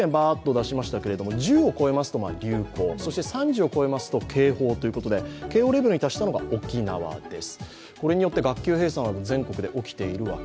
１０を超えますと流行、３０を超えると警報、警報レベルに達したのが沖縄です。